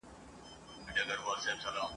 تر لمسیو به دي جوړه آشیانه وي !.